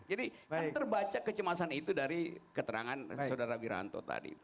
jadi kan terbaca kecemasan itu dari keterangan saudara biranto tadi